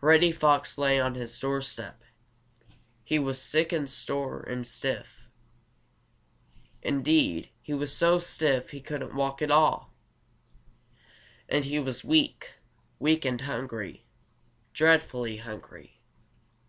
Reddy Fox lay on his doorstep. He was sick and sore and stiff. Indeed, he was so stiff he couldn't walk at all. And he was weak weak and hungry, dreadfully hungry.